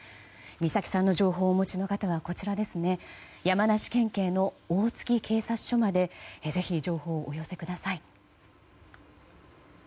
美咲さんの情報をお持ちの方は山梨県警の大月警察署までぜひ、情報をお寄せください。